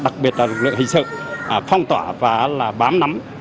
đặc biệt là lực lượng hình sự phong tỏa và bám nắm